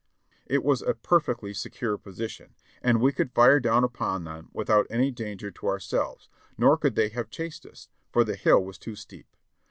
It was a perfectly secure position, and we could fire down upon them without any danger to ourselves; nor could they have chased us, for the hill was too steep.